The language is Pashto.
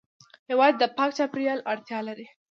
هېواد د پاک چاپېریال اړتیا لري.